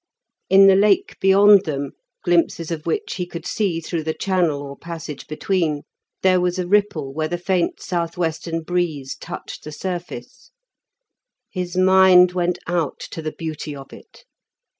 In the Lake beyond them, glimpses of which he could see through the channel or passage between, there was a ripple where the faint south western breeze touched the surface. His mind went out to the beauty of it.